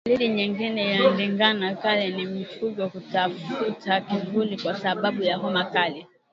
Dalili nyingine ya ndigana kali ni mfugo kutafuta kivuli kwa sababu ya homa kali